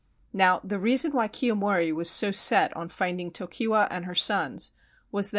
Now the reason why Kiyomori was so set on finding Tokiwa and her sons was that whil?